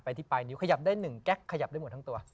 ที่ปลายนิ้วขยับได้๑แก๊กขยับได้หมดทั้งตัว